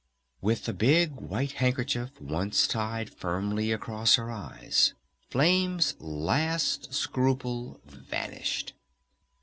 With the big white handkerchief once tied firmly across her eyes, Flame's last scruple vanished.